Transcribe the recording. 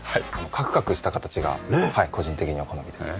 カクカクした形が個人的には好みで。